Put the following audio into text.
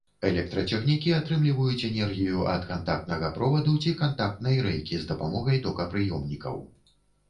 Электрацягнікі атрымліваюць энергію ад кантактнага проваду ці кантактнай рэйкі з дапамогай токапрыёмнікаў.